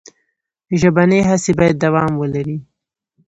ژبنۍ هڅې باید دوام ولري.